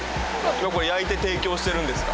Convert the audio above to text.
これ焼いて提供してるんですか？